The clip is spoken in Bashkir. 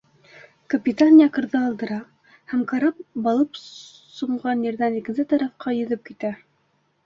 Капитан якорҙы алдыра, һәм карап балыҡ сумған ерҙән икенсе тарафҡа йөҙөп китә.